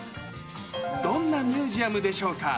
どんなミュージアムでしょうか。